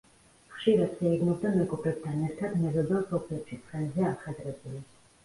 ხშირად სეირნობდა მეგობრებთან ერთად მეზობელ სოფლებში ცხენზე ამხედრებული.